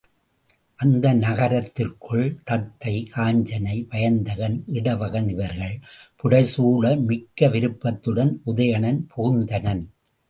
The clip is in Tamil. அந்த நகரத்திற்குள் தத்தை, காஞ்சனை, வயந்தகன், இடவகன் இவர்கள் புடைசூழ மிக்க விருப்பத்துடன் உதயணன் புகுந்தனன்.